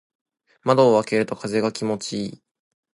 窓を開けると風が気持ちいい。